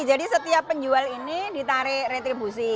jadi setiap penjual ini ditarik retribusi